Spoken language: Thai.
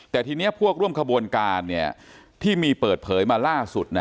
แต่ทีนี้พวกร่วมขบวนการที่มีเปิดเผยมาล่าสุด